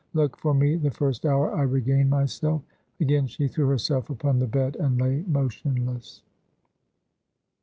Look for me the first hour I regain myself." Again she threw herself upon the bed, and lay motionless.